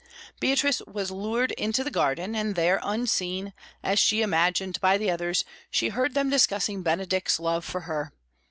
Beatrice was lured into the garden, and there, unseen, as she imagined, by the others, she heard them discussing Benedick's love for her.